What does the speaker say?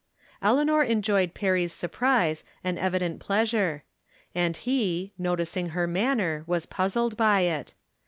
Eleanor enjoyed Perry's surprise and evident pleasure ; and he, noticing her manner, was puz zled by it.